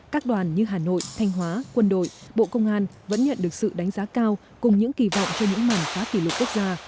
các đoàn như hà nội thanh hóa quân đội bộ công an vẫn nhận được sự đánh giá cao cùng những kỳ vọng cho những mảnh khá kỷ lục quốc gia